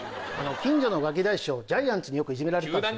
近所のガキ大将ジャイアンツによくいじめられたんです。